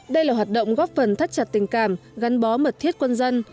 đây là hoạt động góp phần thắt chặt tình cảm gắn bó mật thiết quân dân